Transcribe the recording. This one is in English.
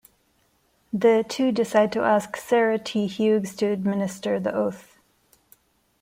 The two decide to ask Sarah T. Hughes to administer the oath.